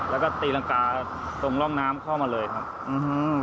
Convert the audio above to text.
แล้วก็ตีรังกาตรงร่องน้ำเข้ามาเลยครับอืม